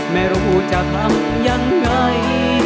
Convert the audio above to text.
ไม่รู้จะทำยังไง